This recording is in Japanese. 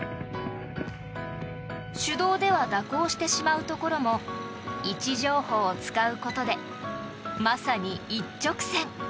手動では蛇行してしまうところも位置情報を使うことでまさに一直線。